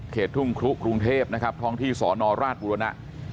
ทุ่งครุกรุงเทพนะครับท้องที่สนราชบุรณะ